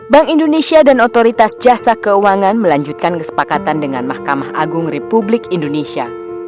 bank indonesia dan otoritas jasa keuangan melanjutkan kesepakatan dengan mahkamah agung republik indonesia